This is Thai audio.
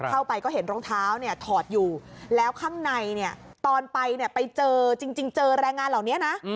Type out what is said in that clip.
เข้าไปก็เห็นรองเท้าเนี่ยถอดอยู่แล้วข้างในเนี่ยตอนไปเนี่ยไปเจอจริงเจอแรงงานเหล่านี้นะ